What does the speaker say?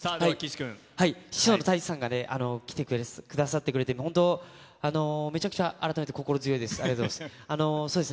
師匠の太一さんがね、来てくださっているので、本当、めちゃくちゃ、改めて心強いです。